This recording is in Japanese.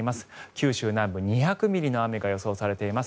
九州南部、２００ミリの雨が予想されています。